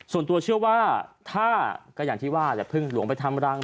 ส่วนตัวเชื่อว่าถ้าก็อย่างที่ว่าอย่าพึ่งหลวงไปทำรัง